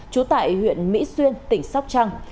trú tại huyện mỹ xuyên tỉnh sóc trăng